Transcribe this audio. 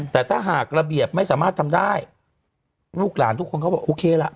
แต่ถ้าหากระเบียบไม่สามารถทำได้ลูกหลานทุกคนเขาบอกโอเคละ